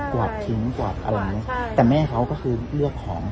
กวาดทิ้งกวาดอะไรอย่างนี้แต่แม่เขาก็คือเลือกของ